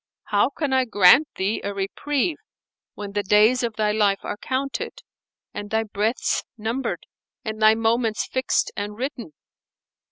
How can I grant thee a reprieve when the days of thy life are counted and thy breaths numbered and thy moments fixed and written?"